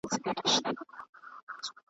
غرونه د طبیعت ښکلي منظرې جوړوي.